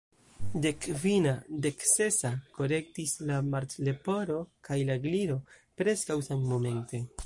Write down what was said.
"Dekkvina," "Deksesa," korektis la Martleporo kaj la Gliro, preskaŭ sammomente.